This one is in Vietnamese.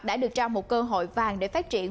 đã được ra một cơ hội vàng để phát triển